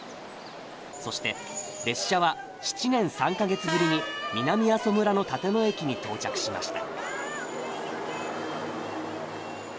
そして列車は７年３ヶ月ぶりに南阿蘇村の立野駅に到着しました。